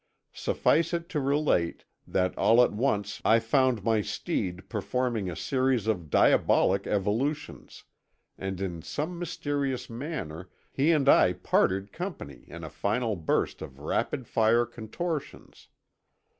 Suffice it to relate, that all at once I found my steed performing a series of diabolic evolutions, and in some mysterious manner he and I parted company in a final burst of rapid fire contortions.